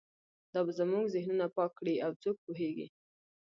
دا به زموږ ذهنونه پاک کړي او څوک پوهیږي